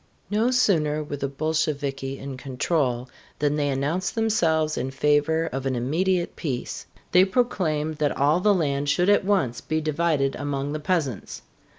No sooner were the Bolsheviki in control than they announced themselves in favor of an immediate peace. They proclaimed that all the land should at once be divided among the peasants.